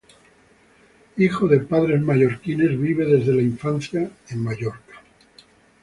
Hijo de padres mallorquines, vive desde la infancia en Mallorca.